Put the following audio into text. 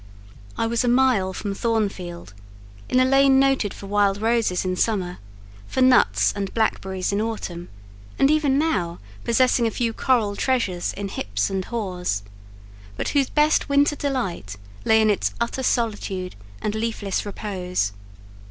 I was a mile from Thornfield, in a lane noted for wild roses in summer, for nuts and blackberries in autumn, and even now possessing a few coral treasures in hips and haws, but whose best winter delight lay in its utter solitude and leafless repose.